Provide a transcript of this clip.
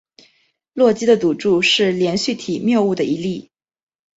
洛基的赌注是连续体谬误的一例。